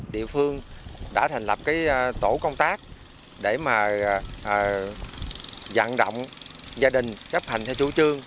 địa phương đã thành lập tổ công tác để mà dặn động gia đình chấp hành theo chủ trương